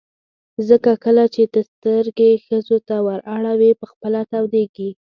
ځکه کله چې ته سترګې ښځو ته ور اړوې په خپله تودېږي.